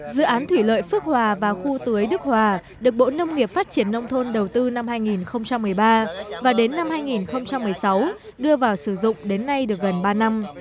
dự án thủy lợi phước hòa và khu tưới đức hòa được bộ nông nghiệp phát triển nông thôn đầu tư năm hai nghìn một mươi ba và đến năm hai nghìn một mươi sáu đưa vào sử dụng đến nay được gần ba năm